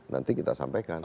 nanti kita sampaikan